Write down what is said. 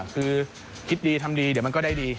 คือคิดดีทำดีเดี๋ยวมันก็ได้ดี